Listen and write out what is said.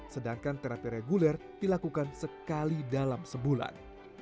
sedangkan terapi reguler dilakukan sekali dalam sebulan